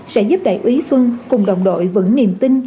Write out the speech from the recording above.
sẽ giúp đại úy xuân cùng đồng đội vững niềm tin